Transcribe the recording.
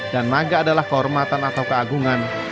dan naga adalah kehormatan atau keagungan